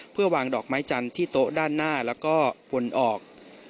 เพื่อวางดอกไม้จันทร์ที่โต๊ะด้านหน้าแล้วก็วนออก